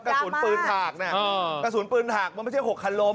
กระสุนปืนถากเนี่ยกระสุนปืนหากมันไม่ใช่๖คันล้ม